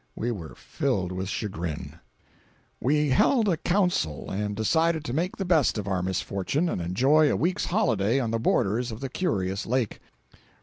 We were filled with chagrin. We held a council and decided to make the best of our misfortune and enjoy a week's holiday on the borders of the curious Lake.